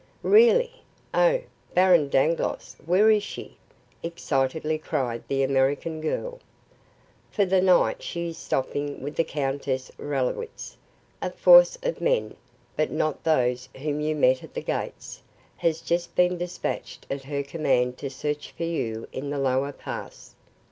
"Really? Oh, Baron Dangloss, where is she?" excitedly cried the American girl. "For the night she is stopping with the Countess Rallowitz. A force of men, but not those whom you met at the gates, has just been dispatched at her command to search for you in the lower pass.